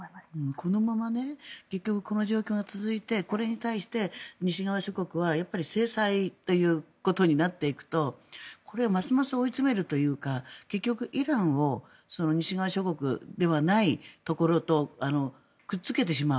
このままこの状況が続いてこれに対して西側諸国は制裁ということになっていくとこれはますます追い詰めるというか結局イランを西側諸国ではないところとくっつけてしまう。